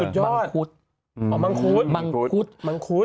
สุดยอดมังคุตมังคุตมังคุต